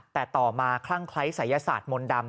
แต่ต่อมาคลั่งคล้ายศัยศาสตร์มนต์ดำ